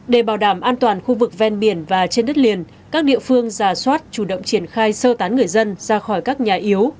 để bảo đảm an toàn khu vực ven biển và trên đất liền các địa phương giả soát chủ động triển khai sơ tán người dân ra khỏi các nhà yếu